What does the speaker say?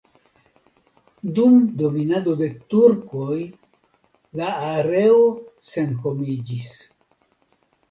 Dum dominado de turkoj la areo senhomiĝis.